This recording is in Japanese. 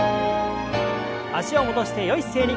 脚を戻してよい姿勢に。